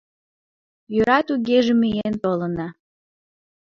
— Йӧра тугеже, миен толына.